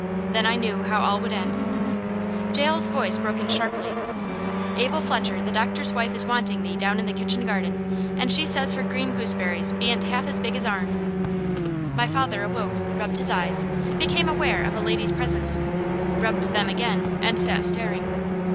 Then I knew how all would end. Jael's voice broke in sharply. "Abel Fletcher, the doctor's wife is wanting thee down in the kitchen garden, and she says her green gooseberries bean't half as big as our'n." My father awoke rubbed his eyes became aware of a lady's presence rubbed them again, and sat staring.